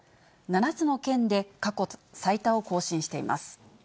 ７つの県で過去最多を更新しています。